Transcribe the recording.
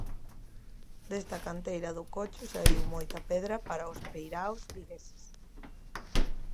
Desta canteira do Cocho saíu moita pedra para os peiraos vigueses.